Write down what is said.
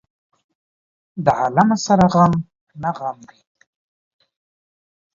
د عالمه سره غم نه غم دى.